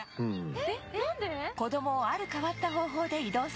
えっ。